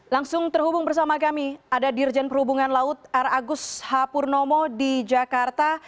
langsung terhubung bersama kami ada dirjen perhubungan laut r agus h purnomo di jakarta